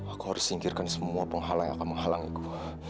aku harus singkirkan semua penghalang yang akan menghalangiku